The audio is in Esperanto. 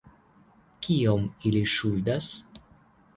Kiom ili ŝuldas?